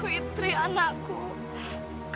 ditordos dan berpikir naik